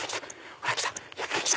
ほら来た！